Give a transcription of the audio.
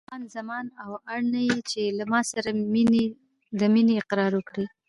خان زمان: او اړ نه یې چې له ما سره د مینې اقرار وکړې.